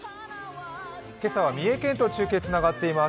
今朝は三重県と中継がつながっています。